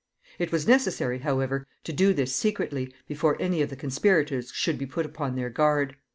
It was necessary, however, to do this secretly, before any of the conspirators should be put upon their guard.